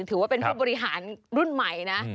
ถือว่าเป็นผู้บริหารรุ่นใหม่นะ